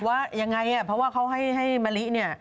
ว่ายังไงเพราะว่าเขาให้มะลิเนี่ย